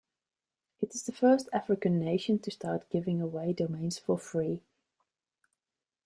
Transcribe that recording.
It is the first African nation to start giving away domains for free.